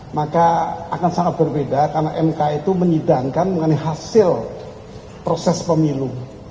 maka akan sangat berbeda karena mk itu menyidangkan mengenai hasil proses pemilu